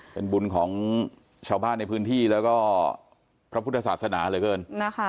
เป็นบุญของชาวบ้านในพื้นที่แล้วก็พระพุทธศาสนาเหลือเกินนะคะ